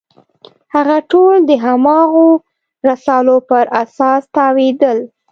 هغه ټول د هماغو رسالو پر اساس تاویلېدل.